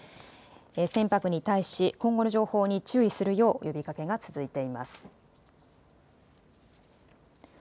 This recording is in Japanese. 船舶に対し今後の情報に注意するよう呼びかけが続いています。